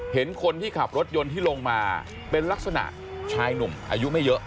เห็นคนที่ขับรถยนต์ที่ลงมาเป็นลักษณะชายหนุ่มอายุไม่เยอะ